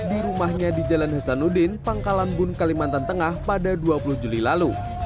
di rumahnya di jalan hesanudin pangkalan bun kalimantan tengah pada dua puluh juli lalu